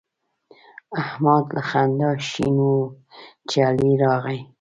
احمد له خندا شین وو چې علي راغی.